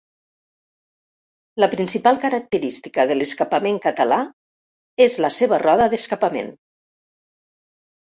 La principal característica de l'escapament català és la seva roda d'escapament.